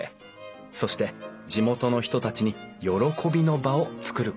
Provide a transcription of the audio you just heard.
そして地元の人たちに喜びの場をつくることだった